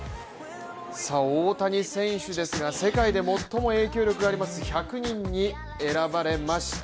大谷選手ですが世界で最も影響力があります１００人に選ばれました。